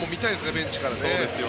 ベンチから。